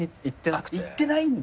行ってないんだ。